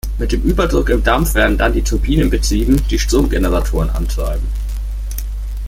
Mit dem Überdruck im Dampf werden dann die Turbinen betrieben, die Stromgeneratoren antreiben.